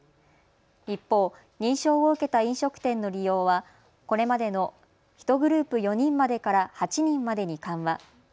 一方、認証を受けた飲食店の利用はこれまでの１グループ４人までから８人までに緩和。